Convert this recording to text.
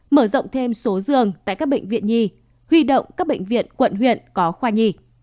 mở rộng thêm số giường tại các bệnh viện nhi huy động các bệnh viện quận huyện có khoa nhi